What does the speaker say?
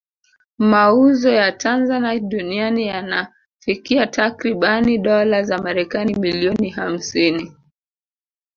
Mauzo ya Tanzanite duniani yanafikia takribani dola za Marekani milioni hamsini